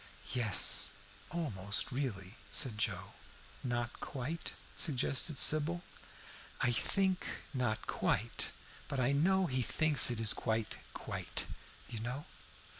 "Yes, almost really," said Joe. "Not quite?" suggested Sybil. "I think not quite; but I know he thinks it is quite quite, you know."